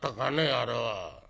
あれは。